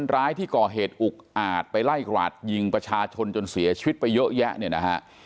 ร้ายที่ก่อเหตุอุกอาจไปไล่กราดยิงประชาชนจนเสียชีวิตไปเยอะแยะเนี่ยนะฮะ